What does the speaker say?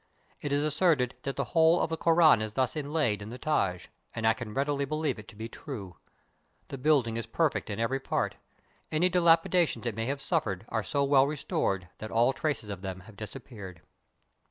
It is asserted that the whole of the Koran is thus inlaid, in the Taj, and I can readily beUeve it to be true. The 122 THE TAJ MAHAL building is perfect in every part. Any dilapidations it may have suffered are so well restored that all traces of them have disappeared.